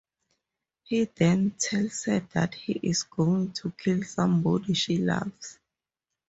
He then tells her that he is going to kill somebody she loves.